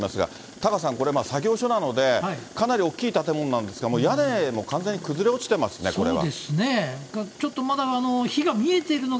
タカさん、これ、作業所なので、かなり大きい建物なんですが、屋根も完全に崩れ落ちてますね、これは。